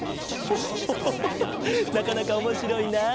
オホホホなかなかおもしろいな。